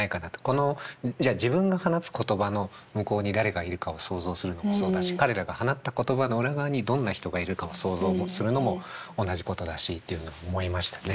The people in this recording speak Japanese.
このじゃあ自分が放つ言葉の向こうに誰がいるかを想像するのもそうだし彼らが放った言葉の裏側にどんな人がいるかを想像するのも同じことだしっていうのは思いましたね。